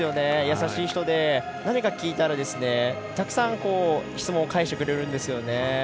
優しい人で何か聞いたらたくさん質問を返してくれるんですよね。